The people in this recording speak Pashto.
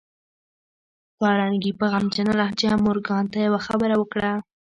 کارنګي په غمجنه لهجه مورګان ته يوه خبره وکړه.